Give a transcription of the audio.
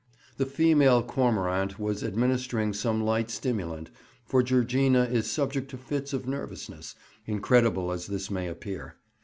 The female cormorant was administering some light stimulant, for Georgina is subject to fits of nervousness, incredible as this may appear.